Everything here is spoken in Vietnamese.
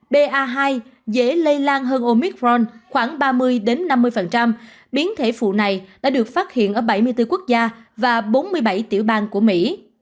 ba hai dễ lây lan hơn omicron khoảng ba mươi năm mươi biến thể phụ này đã được phát hiện ở bảy mươi bốn quốc gia và bốn mươi bảy tiểu bang của mỹ